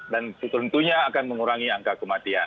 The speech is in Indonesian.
dan tentunya akan mengurangi angka kematian